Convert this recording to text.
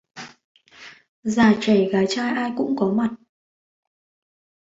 Già trẻ gái trai ai cũng có mặt